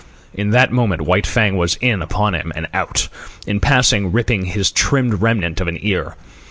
In that moment White Fang was in upon him and out, in passing ripping his trimmed remnant of an ear.